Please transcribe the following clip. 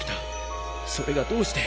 それがどうして。